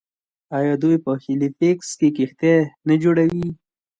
آیا دوی په هیلیفیکس کې کښتۍ نه جوړوي؟